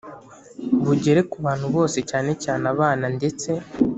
bugere ku bantu bose cyane cyane abana ndetse